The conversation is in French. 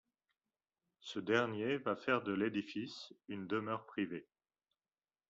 Ce dernier va faire de l’édifice une demeure privée.